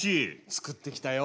作ってきたよ。